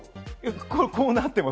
こうなってます。